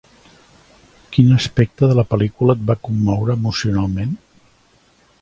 Quin aspecte de la pel·lícula et va commoure emocionalment?